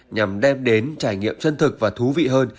nhằm đem đến trải nghiệm chân thực và thú vị hơn